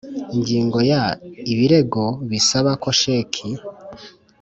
Ingingo ya ibirego bisaba ko sheki